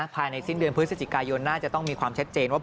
ภายในสิ้นเดือนพฤศจิกายนน่าจะต้องมีความชัดเจนว่า